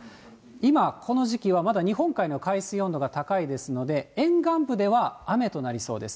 今この時期は、まだ日本海の海水温度が高いですので、沿岸部では雨となりそうです。